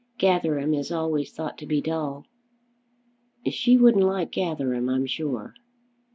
"Gatherum is always thought to be dull." "She wouldn't like Gatherum, I'm sure."